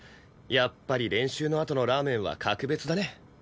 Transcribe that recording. やっぱり練習のあとのラーメンは格別だね。